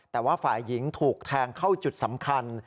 แต่ว่าฝ่ายหญิงถูกแทงเข้าจุดสำคัญ